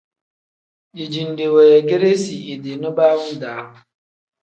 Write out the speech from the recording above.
Dijinde weegeresi idi nibaawu-daa.